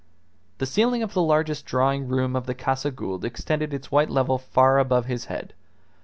The ceiling of the largest drawing room of the Casa Gould extended its white level far above his head.